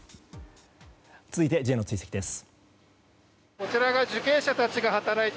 続いてＪの追跡です。